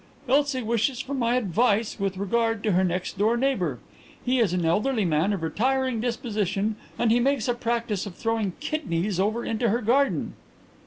"Elsie wishes for my advice with regard to her next door neighbour. He is an elderly man of retiring disposition and he makes a practice of throwing kidneys over into her garden."